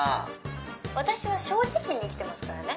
私は正直に生きてますからね